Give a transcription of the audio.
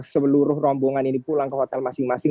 seluruh rombongan ini pulang ke hotel masing masing